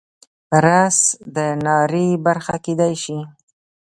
رس د ناري برخه کیدی شي